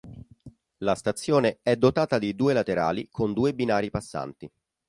La stazione è dotata di due laterali con due binari passanti.